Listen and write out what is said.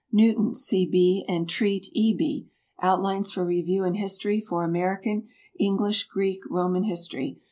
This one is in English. NEWTON, C. B., and TREAT, E. B. "Outlines for Review in History for American, English, Greek, Roman History."